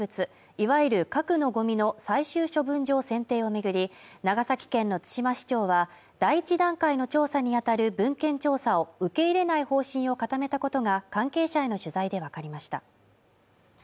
いわゆる核のごみの最終処分場選定を巡り長崎県の対馬市長は第１段階の調査にあたる文献調査を受け入れない方針を固めたことが関係者への取材で分かりました